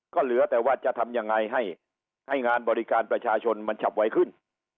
ก็เหลือแต่ว่าจะทำยังไงให้งานบริการประชาชนมันฉับไวขึ้น